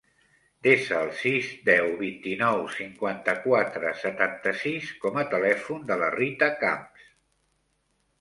Desa el sis, deu, vint-i-nou, cinquanta-quatre, setanta-sis com a telèfon de la Rita Camps.